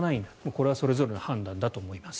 これはそれぞれの判断だと思います。